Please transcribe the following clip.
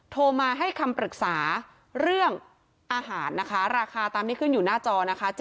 โทรมาให้คำปรึกษาเรื่องอาหารนะคะราคาตามที่ขึ้นอยู่หน้าจอนะคะ